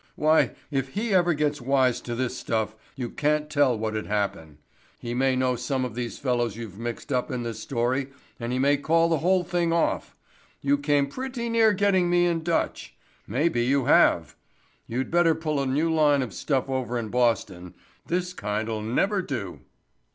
Why, if he ever gets wise to this stuff you can't tell what'd happen. He may know some of these fellows you've mixed up in this story and he may call the whole thing off. You came pretty near getting me in Dutch. Maybe you have. You'd better pull a new line of stuff over in Boston. This kind'll never do."